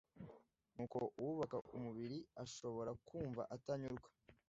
ni uko uwubaka umubiri ashobora kumva atanyurwa